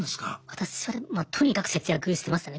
私はとにかく節約してましたね